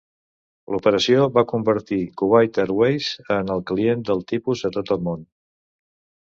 L'operació va convertir Kuwait Airways en el client del tipus a tot el món.